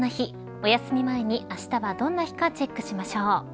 おやすみ前に、あしたはどんな日かチェックしましょう。